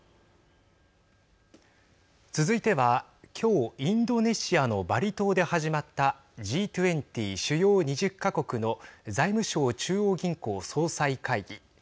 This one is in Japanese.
続いては、きょうインドネシアのバリ島で始まったＧ２０＝主要２０か国の財務相・中央銀行総裁会議。